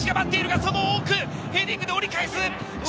その奥、ヘディングで折り返す。